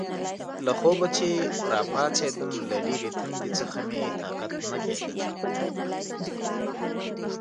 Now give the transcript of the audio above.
له خوبه چې راپاڅېدم، له ډېرې تندې څخه مې طاقت نه کېده.